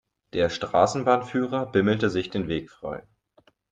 Der Straßenbahnführer bimmelte sich den Weg frei.